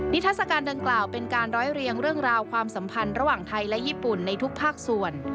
ทัศกาลดังกล่าวเป็นการร้อยเรียงเรื่องราวความสัมพันธ์ระหว่างไทยและญี่ปุ่นในทุกภาคส่วน